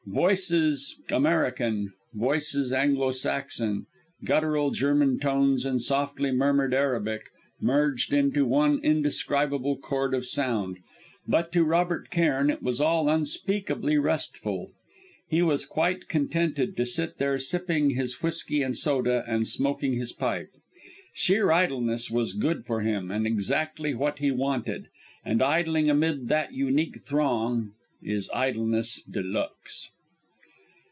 Voices American, voices Anglo Saxon, guttural German tones, and softly murmured Arabic merged into one indescribable chord of sound; but to Robert Cairn it was all unspeakably restful. He was quite contented to sit there sipping his whisky and soda, and smoking his pipe. Sheer idleness was good for him and exactly what he wanted, and idling amid that unique throng is idleness de luxe.